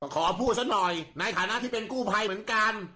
ขอพูดซะหน่อยในฐานะที่เป็นกู้ภัยเหมือนกัน